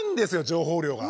情報量が。